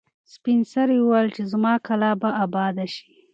سپین سرې وویل چې زما کلا به اباده شي.